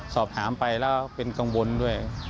สอบถามไปแล้วเป็นกังวลด้วย